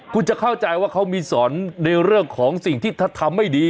คุณจะเข้าใจว่าเขามีสอนในเรื่องของสิ่งที่ถ้าทำไม่ดี